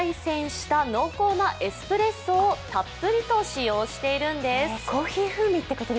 煎した濃厚なエスプレッソをたっぷりと使用しているんです。